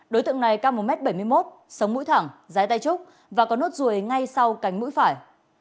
đối tượng này cao một m bảy mươi một sống mũi thẳng trái tay trúc và có nốt ruồi ngay sau cánh mũi phải